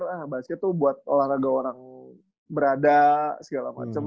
orang tuh mikir ah basket tuh buat olahraga orang berada segala macem